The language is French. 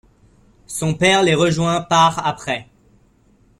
Son père les rejoint par après.